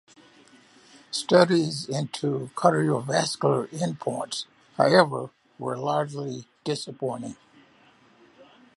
Studies into cardiovascular endpoints, however, were largely disappointing.